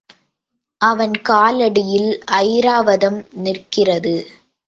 அவன் காலடியில் ஐராவதம் நிற்கிறது.